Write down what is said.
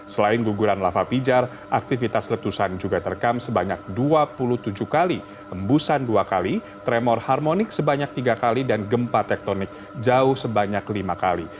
selain guguran lava pijar aktivitas letusan juga terekam sebanyak dua puluh tujuh kali embusan dua kali tremor harmonik sebanyak tiga kali dan gempa tektonik jauh sebanyak lima kali